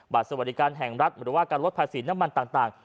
สวัสดีการแห่งรัฐหรือว่าการลดภาษีน้ำมันต่าง